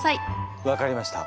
分かりました。